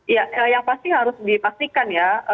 ya yang pasti harus dipastikan ya